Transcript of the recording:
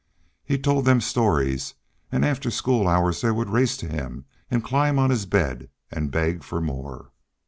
He told them stories, and after school hours they would race to him and climb on his bed, and beg for more.